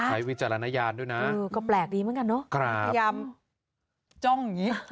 วิจารณญาณด้วยนะก็แปลกดีเหมือนกันเนอะพยายามจ้องอย่างนี้